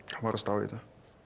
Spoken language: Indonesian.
kamu harus tahu itu